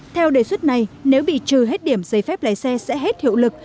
theo đề xuất này nếu bị trừ hết điểm giấy phép lái xe sẽ hết hiệu lực